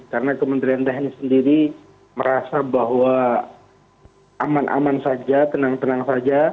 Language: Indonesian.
karena kementerian teknik sendiri merasa bahwa aman aman saja tenang tenang saja